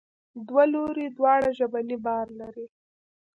دوه لوري دواړه ژبنی بار لري.